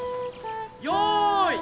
よい。